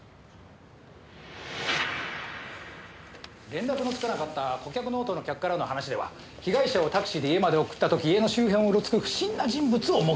連絡のつかなかった顧客ノートの客からの話では被害者をタクシーで家まで送った時家の周辺をうろつく不審な人物を目撃したと。